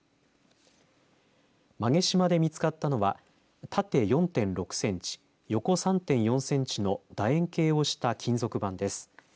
馬毛島で見つかったのは縦４．６センチ横３．４センチのだ円形をした金属板です。